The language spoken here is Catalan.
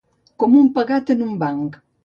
Com un pegat en un banc.